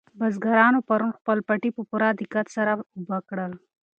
بزګرانو پرون خپل پټي په پوره دقت سره اوبه کړل.